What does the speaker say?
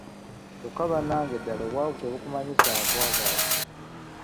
Kyokka bannange ddala obwavu tebukumanyisa akwagala.